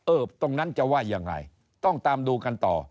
ตรงนั้นจะว่ายังไงต้องตามดูกันต่อ